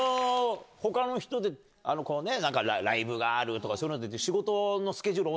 他の人でライブがあるとかそういうので。